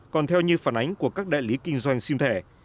còn theo như phản ánh của các đại lý kinh doanh sim thẻ